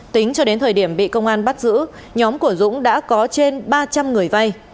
tính cho đến thời điểm bị công an bắt giữ nhóm của dũng đã có trên ba trăm linh người vay